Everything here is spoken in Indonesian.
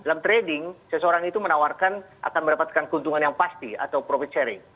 dalam trading seseorang itu menawarkan akan mendapatkan keuntungan yang pasti atau profit sharing